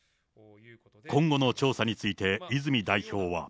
今後の調査について、泉代表は。